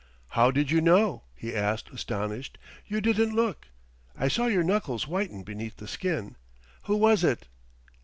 "How did you know?" he asked, astonished. "You didn't look " "I saw your knuckles whiten beneath the skin.... Who was it?"